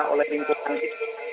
oleh lingkungan kita